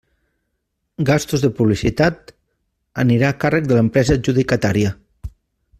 Gastos de publicitat: anirà a càrrec de l'empresa adjudicatària.